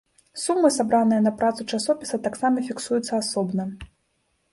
Сумы, сабраныя на працу часопіса, таксама фіксуюцца асобна.